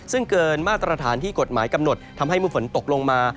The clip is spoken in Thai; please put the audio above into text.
ซึ่งเกินมาตรฐานที่กฎหมายกำหนดทำให้เมื่อฝนตกลงมา